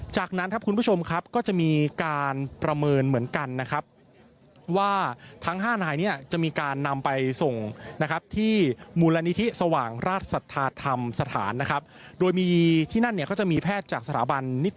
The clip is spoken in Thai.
จากนั้นครับคุณผู้ชมครับก็จะมีการประเมินเหมือนกันนะครับ